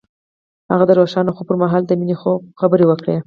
هغه د روښانه خوب پر مهال د مینې خبرې وکړې.